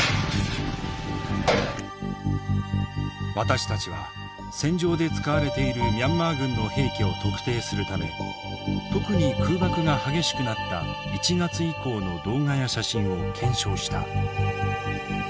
私たちは戦場で使われているミャンマー軍の兵器を特定するため特に空爆が激しくなった１月以降の動画や写真を検証した。